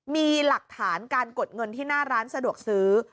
มีหลักฐานการกดเงินที่หน้าร้านสะดวกซื้อ